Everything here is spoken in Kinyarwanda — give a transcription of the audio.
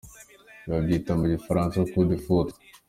Ibi babyita mu gifaransa coup de Foudre.